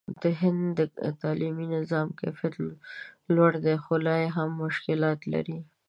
د هند د تعلیمي نظام کیفیت لوړ دی، خو لا هم مشکلات لري.